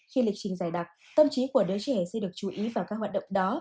khi lịch trình dày đặc tâm trí của đứa trẻ sẽ được chú ý vào các hoạt động đó